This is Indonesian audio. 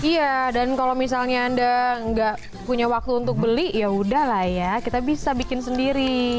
iya dan kalau misalnya anda nggak punya waktu untuk beli yaudah lah ya kita bisa bikin sendiri